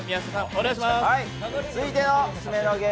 お願いします。